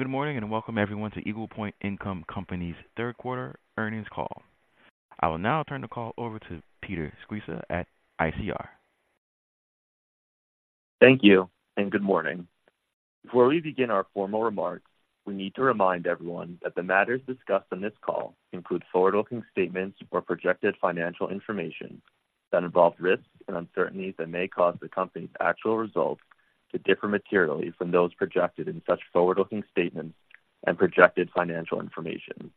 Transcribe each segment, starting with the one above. Good morning, and welcome everyone to Eagle Point Income Company's third quarter earnings call. I will now turn the call over to Peter Sceusa at ICR. Thank you, and good morning. Before we begin our formal remarks, we need to remind everyone that the matters discussed on this call include forward-looking statements or projected financial information that involve risks and uncertainties that may cause the company's actual results to differ materially from those projected in such forward-looking statements and projected financial information.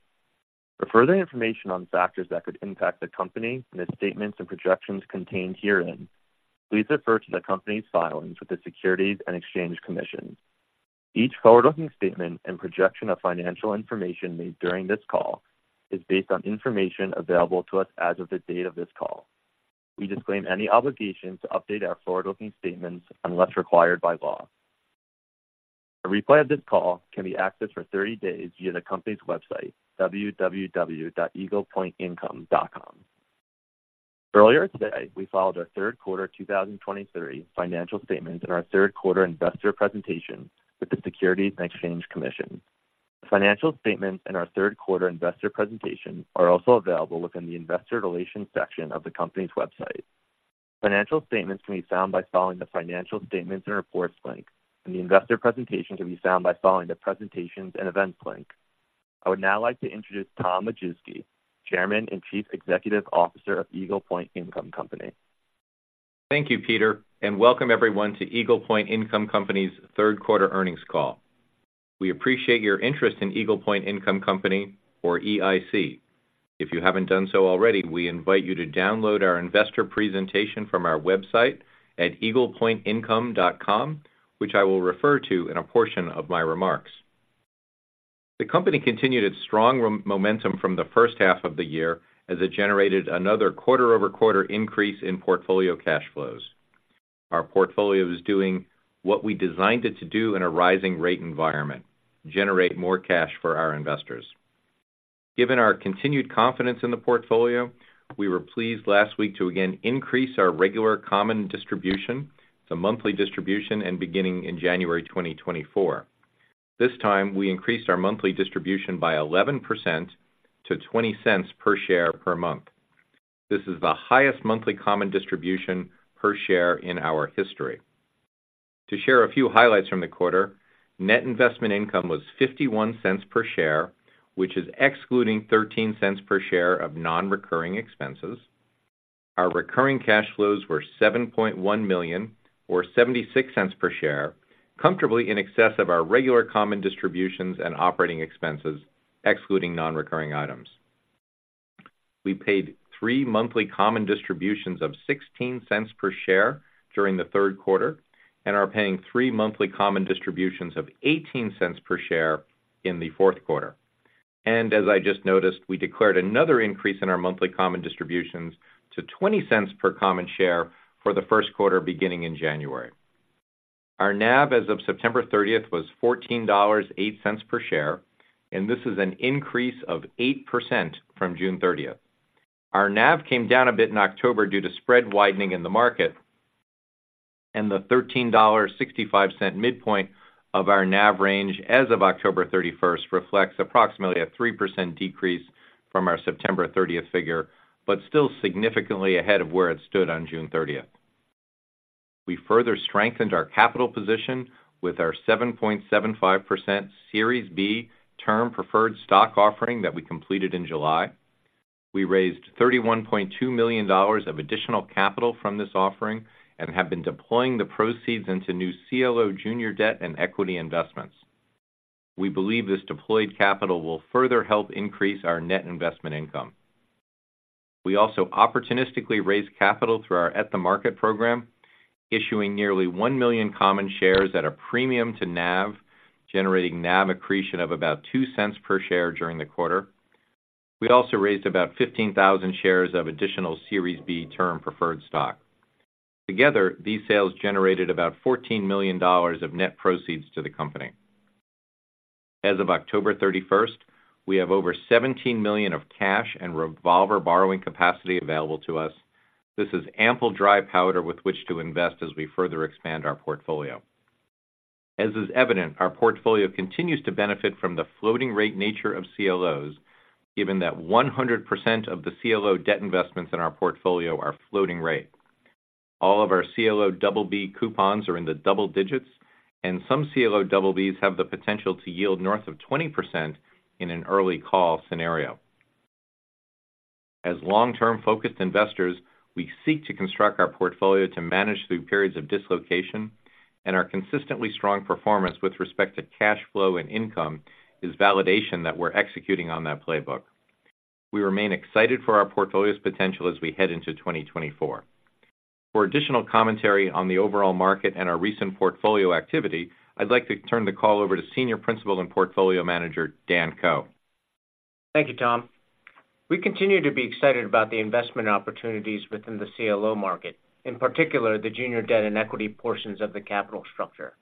For further information on factors that could impact the company and the statements and projections contained herein, please refer to the company's filings with the Securities and Exchange Commission. Each forward-looking statement and projection of financial information made during this call is based on information available to us as of the date of this call. We disclaim any obligation to update our forward-looking statements unless required by law. A replay of this call can be accessed for 30 days via the company's website, www.eaglepointincome.com. Earlier today, we filed our third quarter 2023 financial statements and our third quarter investor presentation with the Securities and Exchange Commission. The financial statements and our third quarter investor presentation are also available within the investor relations section of the company's website. Financial statements can be found by following the Financial Statements and Reports link, and the investor presentation can be found by following the Presentations and Events link. I would now like to introduce Tom Majewski, Chairman and Chief Executive Officer of Eagle Point Income Company. Thank you, Peter, and welcome everyone to Eagle Point Income Company's third quarter earnings call. We appreciate your interest in Eagle Point Income Company or EIC. If you haven't done so already, we invite you to download our investor presentation from our website at eaglepointincome.com, which I will refer to in a portion of my remarks. The company continued its strong momentum from the first half of the year as it generated another quarter-over-quarter increase in portfolio cash flows. Our portfolio is doing what we designed it to do in a rising rate environment: generate more cash for our investors. Given our continued confidence in the portfolio, we were pleased last week to again increase our regular common distribution to monthly distribution and beginning in January 2024. This time, we increased our monthly distribution by 11% to $0.20 per share per month. This is the highest monthly common distribution per share in our history. To share a few highlights from the quarter, net investment income was $0.51 per share, which is excluding $0.13 per share of non-recurring expenses. Our recurring cash flows were $7.1 million, or $0.76 per share, comfortably in excess of our regular common distributions and operating expenses, excluding non-recurring items. We paid three monthly common distributions of $0.16 per share during the third quarter and are paying three monthly common distributions of $0.18 per share in the fourth quarter. As I just noticed, we declared another increase in our monthly common distributions to $0.20 per common share for the first quarter, beginning in January. Our NAV as of September 30th was $14.08 per share, and this is an increase of 8% from June 30th. Our NAV came down a bit in October due to spread widening in the market, and the $13.65 midpoint of our NAV range as of October 31st reflects approximately a 3% decrease from our September 30th figure, but still significantly ahead of where it stood on June 30th. We further strengthened our capital position with our 7.75% Series B Term Preferred Stock offering that we completed in July. We raised $31.2 million of additional capital from this offering and have been deploying the proceeds into new CLO junior debt and equity investments. We believe this deployed capital will further help increase our net investment income. We also opportunistically raised capital through our At-the-Market program, issuing nearly 1 million common shares at a premium to NAV, generating NAV accretion of about $0.02 per share during the quarter. We also raised about 15,000 shares of additional Series B Term Preferred Stock. Together, these sales generated about $14 million of net proceeds to the company. As of October 31st, we have over $17 million of cash and revolver borrowing capacity available to us. This is ample dry powder with which to invest as we further expand our portfolio. As is evident, our portfolio continues to benefit from the floating rate nature of CLOs, given that 100% of the CLO debt investments in our portfolio are floating rate. All of our CLO BB coupons are in the double digits, and some CLO BBs have the potential to yield north of 20% in an early call scenario. As long-term focused investors, we seek to construct our portfolio to manage through periods of dislocation, and our consistently strong performance with respect to cash flow and income is validation that we're executing on that playbook. We remain excited for our portfolio's potential as we head into 2024. For additional commentary on the overall market and our recent portfolio activity, I'd like to turn the call over to Senior Principal and Portfolio Manager, Dan Ko. Thank you, Tom. We continue to be excited about the investment opportunities within the CLO market, in particular, the junior debt and equity portions of the capital structure.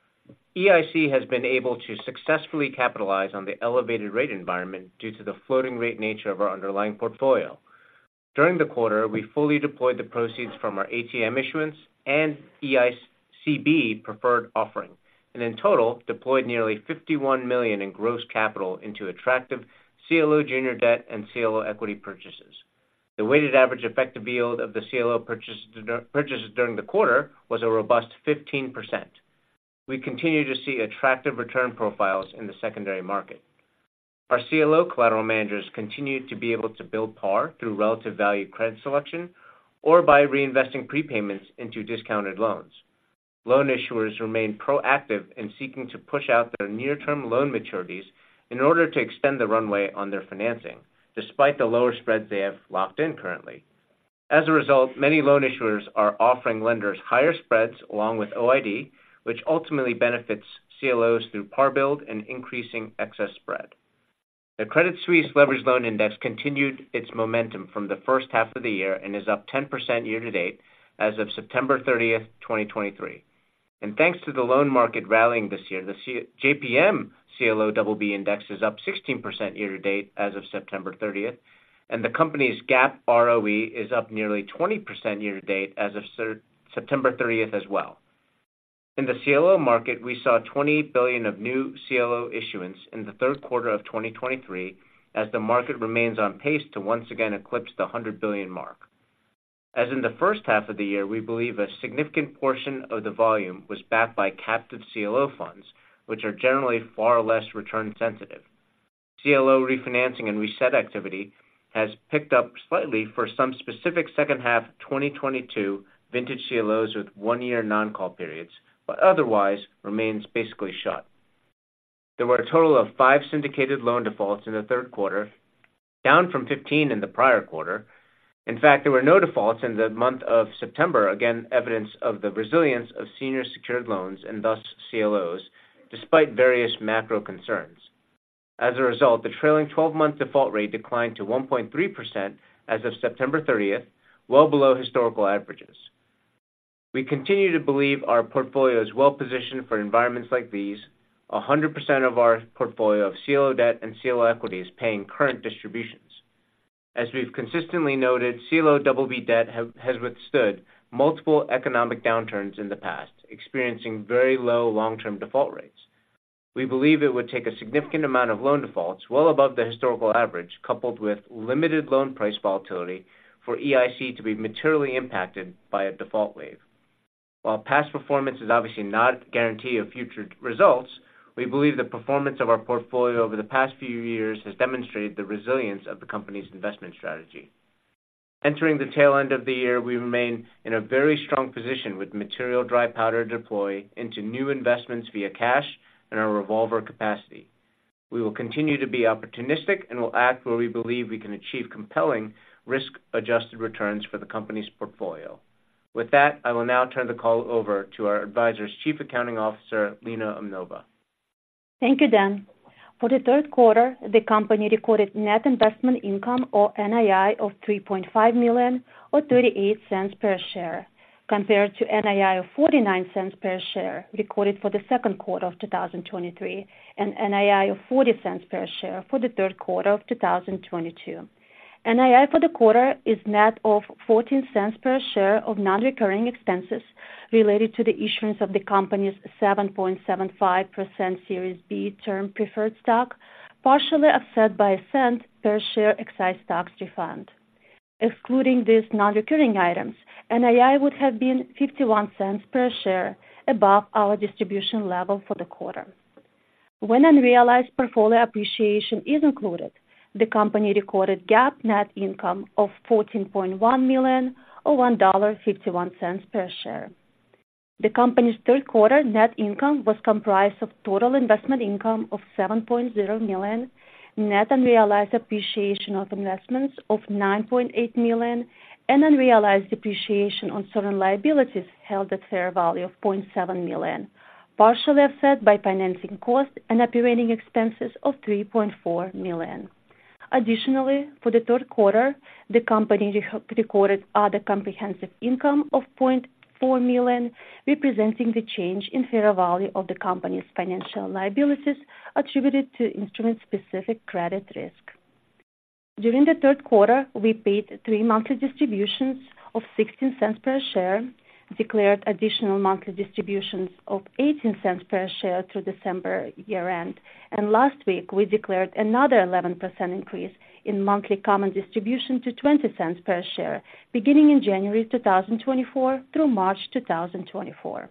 EIC has been able to successfully capitalize on the elevated rate environment due to the floating rate nature of our underlying portfolio. During the quarter, we fully deployed the proceeds from our ATM issuance and EICB preferred offering, and in total, deployed nearly $51 million in gross capital into attractive CLO junior debt and CLO equity purchases. The weighted average effective yield of the CLO purchase, purchases during the quarter was a robust 15%. We continue to see attractive return profiles in the secondary market. Our CLO collateral managers continued to be able to build par through relative value credit selection or by reinvesting prepayments into discounted loans. Loan issuers remain proactive in seeking to push out their near-term loan maturities in order to extend the runway on their financing, despite the lower spreads they have locked in currently. As a result, many loan issuers are offering lenders higher spreads along with OID, which ultimately benefits CLOs through par build and increasing excess spread. The Credit Suisse Leveraged Loan Index continued its momentum from the first half of the year and is up 10% year-to-date as of September 30, 2023. Thanks to the loan market rallying this year, the JP Morgan CLO BB Index is up 16% year-to-date as of September 30, 2023, and the company's GAAP ROE is up nearly 20% year-to-date as of September 30, 2023, as well. In the CLO market, we saw $20 billion of new CLO issuance in the third quarter of 2023, as the market remains on pace to once again eclipse the $100 billion mark. As in the first half of the year, we believe a significant portion of the volume was backed by captive CLO funds, which are generally far less return sensitive. CLO refinancing and reset activity has picked up slightly for some specific second half 2022 vintage CLOs with one-year non-call periods, but otherwise remains basically shut. There were a total of five syndicated loan defaults in the third quarter, down from 15 in the prior quarter. In fact, there were no defaults in the month of September, again, evidence of the resilience of senior secured loans and thus CLOs, despite various macro concerns. As a result, the trailing twelve-month default rate declined to 1.3% as of September 30th, well below historical averages. We continue to believe our portfolio is well positioned for environments like these. 100% of our portfolio of CLO debt and CLO equity is paying current distributions. As we've consistently noted, CLO BB debt has withstood multiple economic downturns in the past, experiencing very low long-term default rates. We believe it would take a significant amount of loan defaults, well above the historical average, coupled with limited loan price volatility, for EIC to be materially impacted by a default wave. While past performance is obviously not a guarantee of future results, we believe the performance of our portfolio over the past few years has demonstrated the resilience of the company's investment strategy. Entering the tail end of the year, we remain in a very strong position with material dry powder to deploy into new investments via cash and our revolver capacity. We will continue to be opportunistic and will act where we believe we can achieve compelling risk-adjusted returns for the company's portfolio. With that, I will now turn the call over to our advisors, Chief Accounting Officer, Lena Umnova. Thank you, Dan. For the third quarter, the company recorded net investment income, or NII, of $3.5 million, or $0.38 per share, compared to NII of $0.49 per share recorded for the second quarter of 2023, and NII of $0.40 per share for the third quarter of 2022. NII for the quarter is net of $0.14 per share of non-recurring expenses related to the issuance of the company's 7.75% Series B Term Preferred Stock, partially offset by $0.01 per share excise tax refund. Excluding these non-recurring items, NII would have been $0.51 per share above our distribution level for the quarter. When unrealized portfolio appreciation is included, the company recorded GAAP net income of $14.1 million, or $1.51 per share. The company's third quarter net income was comprised of total investment income of $7.0 million, net unrealized appreciation of investments of $9.8 million, and unrealized depreciation on certain liabilities held at fair value of $0.7 million, partially offset by financing costs and operating expenses of $3.4 million. Additionally, for the third quarter, the company re-recorded other comprehensive income of $0.4 million, representing the change in fair value of the company's financial liabilities attributed to instrument-specific credit risk. During the third quarter, we paid 3 monthly distributions of $0.16 per share, declared additional monthly distributions of $0.18 per share through December year-end, and last week, we declared another 11% increase in monthly common distribution to $0.20 per share, beginning in January 2024 through March 2024.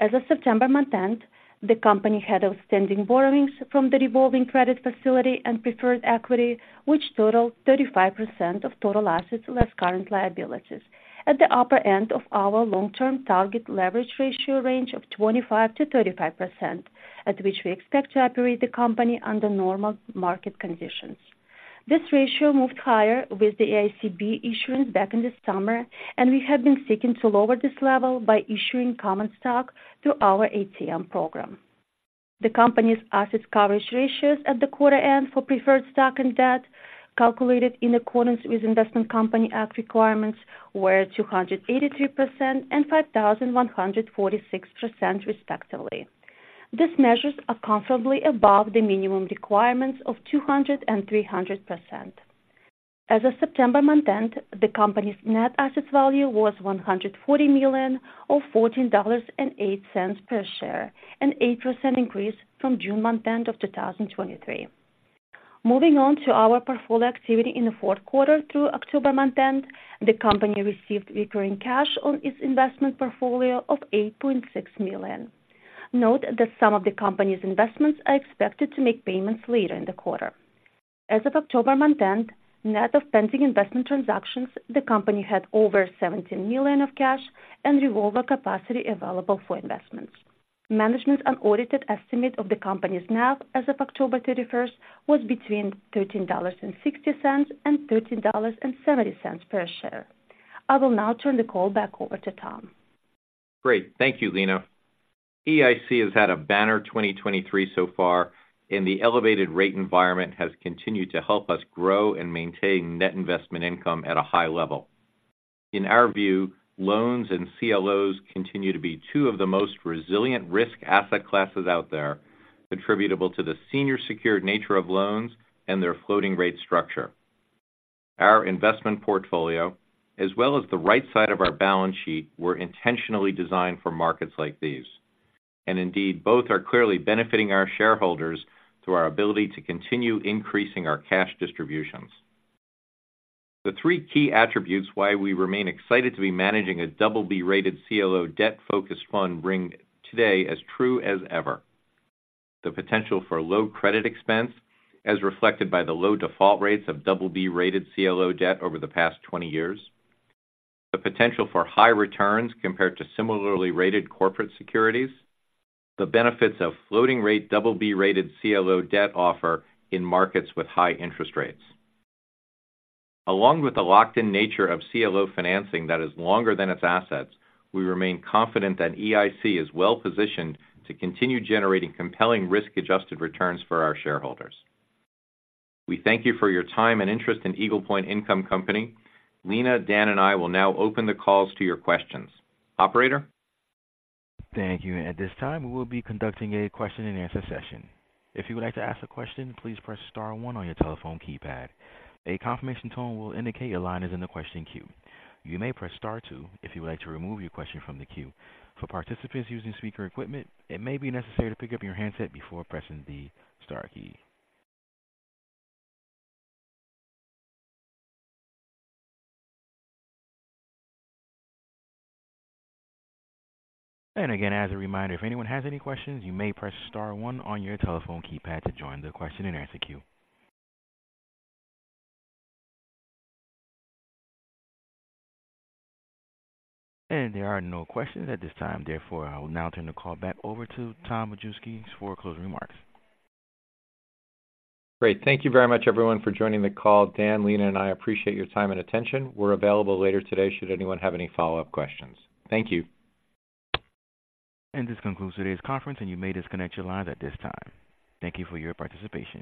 As of September month-end, the company had outstanding borrowings from the revolving credit facility and preferred equity, which totaled 35% of total assets, less current liabilities, at the upper end of our long-term target leverage ratio range of 25%-35%, at which we expect to operate the company under normal market conditions. This ratio moved higher with the EICB issuance back in the summer, and we have been seeking to lower this level by issuing common stock through our ATM program. The company's asset coverage ratios at the quarter-end for preferred stock and debt, calculated in accordance with Investment Company Act requirements, were 283% and 5,146%, respectively. These measures are comfortably above the minimum requirements of 200% and 300%. As of September month-end, the company's net asset value was $140 million, or $14.08 per share, an 8% increase from June month-end of 2023. Moving on to our portfolio activity in the fourth quarter through October month-end, the company received recurring cash on its investment portfolio of $8.6 million. Note that some of the company's investments are expected to make payments later in the quarter. As of October month-end, net of pending investment transactions, the company had over $17 million of cash and revolver capacity available for investments. Management's unaudited estimate of the company's NAV as of October 31st was between $13.60 and $13.70 per share. I will now turn the call back over to Tom. Great. Thank you, Lena. EIC has had a banner 2023 so far, and the elevated rate environment has continued to help us grow and maintain net investment income at a high level. In our view, loans and CLOs continue to be two of the most resilient risk asset classes out there, attributable to the senior secured nature of loans and their floating rate structure. Our investment portfolio, as well as the right side of our balance sheet, were intentionally designed for markets like these, and indeed, both are clearly benefiting our shareholders through our ability to continue increasing our cash distributions. The three key attributes why we remain excited to be managing a BB-rated CLO debt-focused fund ring today as true as ever. The potential for low credit expense, as reflected by the low default rates of BB-rated CLO debt over the past 20 years. The potential for high returns compared to similarly rated corporate securities. The benefits of floating rate double-B rated CLO debt offer in markets with high interest rates. Along with the locked-in nature of CLO financing that is longer than its assets, we remain confident that EIC is well positioned to continue generating compelling risk-adjusted returns for our shareholders. We thank you for your time and interest in Eagle Point Income Company. Lena, Dan, and I will now open the calls to your questions. Operator? Thank you. At this time, we will be conducting a question-and-answer session. If you would like to ask a question, please press star one on your telephone keypad. A confirmation tone will indicate your line is in the question queue. You may press star two if you would like to remove your question from the queue. For participants using speaker equipment, it may be necessary to pick up your handset before pressing the star key. Again, as a reminder, if anyone has any questions, you may press star one on your telephone keypad to join the question-and-answer queue. There are no questions at this time. Therefore, I will now turn the call back over to Tom Majewski for closing remarks. Great. Thank you very much, everyone, for joining the call. Dan, Lena, and I appreciate your time and attention. We're available later today should anyone have any follow-up questions. Thank you. This concludes today's conference, and you may disconnect your lines at this time. Thank you for your participation.